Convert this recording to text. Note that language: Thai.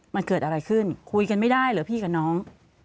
มันเกิดอะไรขึ้นคุยกันไม่ได้เหรอพี่กับน้อง